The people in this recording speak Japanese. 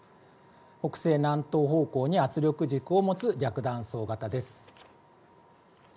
北西南東方向に圧力軸を持つ逆断層型です。